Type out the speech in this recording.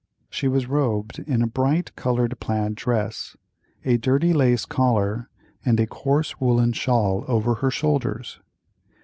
She was robed in a bright colored plaid dress, a dirty lace collar, and a coarse woollen shawl over her shoulders.